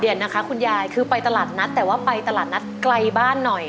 เดี๋ยวนะคะคุณยายคือไปตลาดนัดแต่ว่าไปตลาดนัดไกลบ้านหน่อย